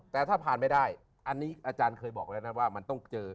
แต่ถ้าผ่านไม่ได้อันนี้อาจารย์เคยบอกแล้วนะว่ามันต้องเจอ